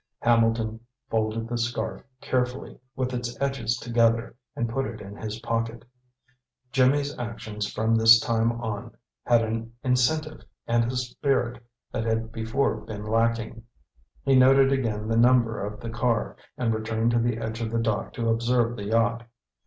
Hambleton folded the scarf carefully, with its edges together, and put it in his pocket. Jimmy's actions from this time on had an incentive and a spirit that had before been lacking. He noted again the number of the car, and returned to the edge of the dock to observe the yacht.